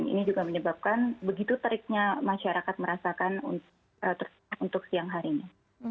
ini juga menyebabkan begitu teriknya masyarakat merasakan untuk siang harinya